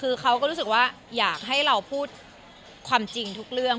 คือเขาก็รู้สึกว่าอยากให้เราพูดความจริงทุกเรื่อง